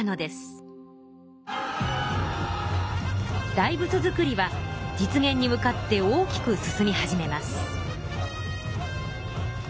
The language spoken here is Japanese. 大仏造りは実現に向かって大きく進み始めます。